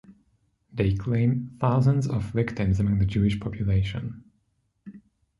They claim thousands of victims among the Jewish population.